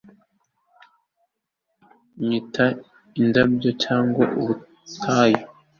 nyita indabyo cyangwa ubutayu